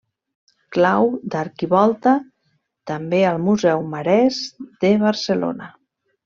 Clau d'arquivolta, també al Museu Marès de Barcelona.